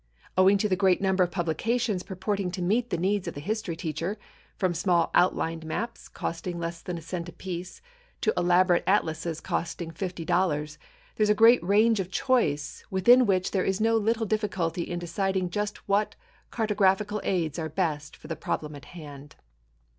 Owing to the great number of publications purporting to meet the needs of the history teacher, from small outline maps costing less than a cent apiece to elaborate atlases costing fifty dollars, there is a great range of choice within which there is no little difficulty in deciding just what cartographical aids are best for the problem at hand.